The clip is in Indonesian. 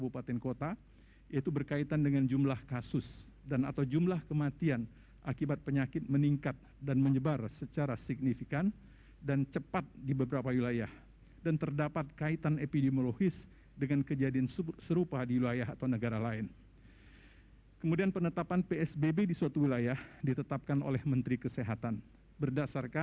pembatasan sosial berskala besar